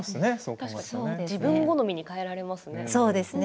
自分好みに変えられますね。